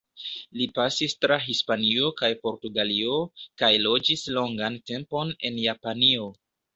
Li pasis tra Hispanio kaj Portugalio, kaj loĝis longan tempon en Japanio.